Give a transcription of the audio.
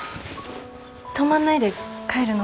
泊まんないで帰るの？